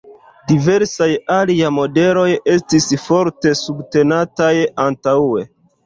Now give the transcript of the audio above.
Diversaj alia modeloj estis forte subtenataj antaŭe.